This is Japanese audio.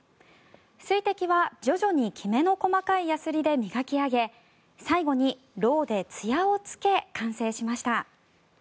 水滴は徐々にきめの細かいやすりで磨き上げ最後にろうでつやをつけ完成しました。